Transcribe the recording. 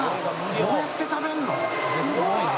こうやって食べるの？